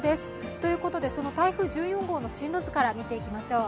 ということで、その台風１４号の進路図から見ていきましょう。